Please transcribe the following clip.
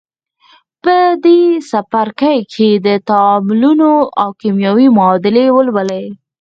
په دې څپرکي کې به تعاملونه او کیمیاوي معادلې ولولئ.